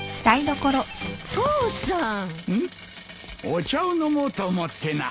お茶を飲もうと思ってな。